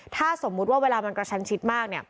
ถ้าสมมุติว่าเวลามันกระชันชิดมาก